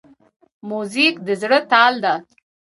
موزیک د زړه تال ده.